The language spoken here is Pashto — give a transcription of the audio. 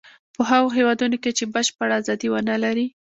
په هغو هېوادونو کې چې بشپړه ازادي و نه لري.